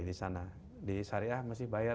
disana di syariah masih bayar